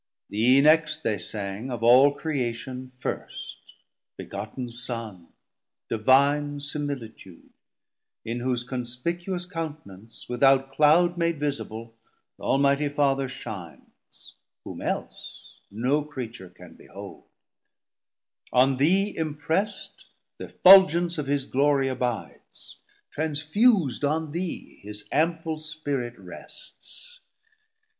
Thee next they sang of all Creation first, Begotten Son, Divine Similitude, In whose conspicuous count'nance, without cloud Made visible, th' Almighty Father shines, Whom else no Creature can behold; on thee Impresst the effulgence of his Glorie abides, Transfus'd on thee his ample Spirit rests.